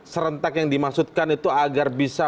serentak yang dimaksudkan itu agar bisa